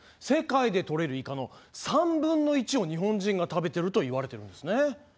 世界でとれるイカの３分の１を日本人が食べてるといわれてるんですね。